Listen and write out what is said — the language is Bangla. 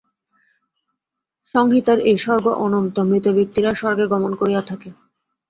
সংহিতার এই স্বর্গ অনন্ত, মৃত ব্যক্তিরা স্বর্গে গমন করিয়া থাকে।